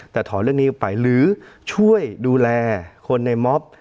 แต่ถอนเรื่องนี้ออกไปหรือช่วยดูแลคนในม็อบ